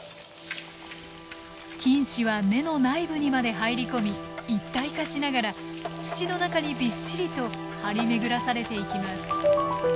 菌糸は根の内部にまで入り込み一体化しながら土の中にびっしりと張り巡らされていきます。